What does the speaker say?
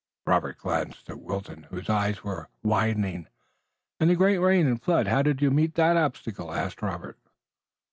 Robert glanced at Wilton, whose eyes were widening. "And the great rain and flood, how did you meet that obstacle?" asked Robert.